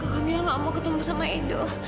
alhamdulillah gak mau ketemu sama edo